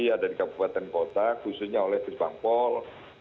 ada di kabupaten kota khususnya oleh puspampol